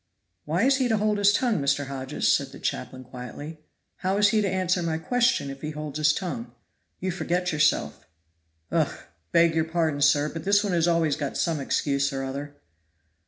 "Why is he to hold his tongue, Mr. Hodges?" said the chaplain quietly; "how is he to answer my question if he holds his tongue? You forget yourself." "Ugh! beg your pardon, sir, but this one has always got some excuse or other."